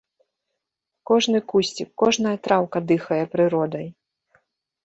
Кожны кусцік, кожная траўка дыхае прыродай.